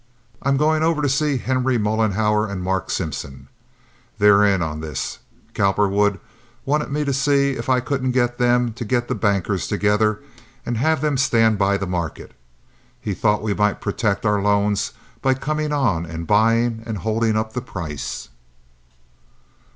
I'm going over to see Henry Mollenhauer and Mark Simpson. They're in on this. Cowperwood wanted me to see if I couldn't get them to get the bankers together and have them stand by the market. He thought we might protect our loans by comin' on and buyin' and holdin' up the price."